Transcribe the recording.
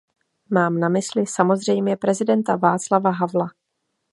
Mám na mysli samozřejmě prezidenta Václava Havla.